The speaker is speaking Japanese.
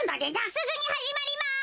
すぐにはじまります。